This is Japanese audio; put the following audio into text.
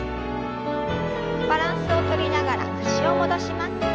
バランスをとりながら脚を戻します。